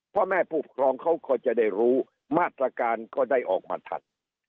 พ่อแม่ผู้ปกครองเขาก็จะได้รู้มาตรการก็ได้ออกมาทัน